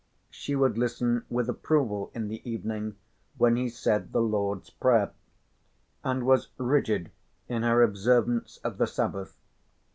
She would listen with approval in the evening when he said the Lord's Prayer, and was rigid in her observance of the Sabbath.